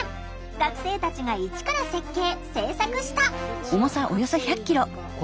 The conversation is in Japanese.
学生たちが一から設計・制作した。